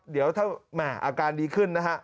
เดี๋ยวถ้าอาการดีขึ้นนะฮะ